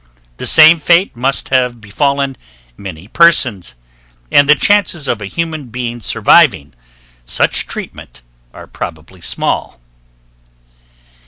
The same fate must have befallen many persons, and the chances of a human being surviving such treatment are probably small.